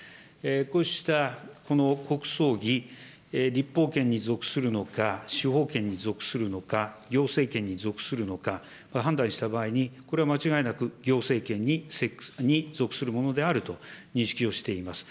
こうしたこの国葬儀、立法権に属するのか、司法権に属するのか、行政権に属するのか、判断した場合に、これは間違いなく行政権に属するものであると認識をしています。